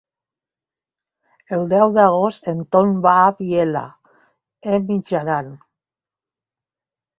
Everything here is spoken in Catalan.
El deu d'agost en Ton va a Vielha e Mijaran.